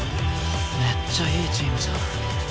めっちゃいいチームじゃん。